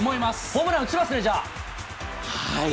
ホームラン打ちますね、はい。